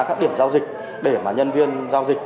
các điểm giao dịch để mà nhân viên giao dịch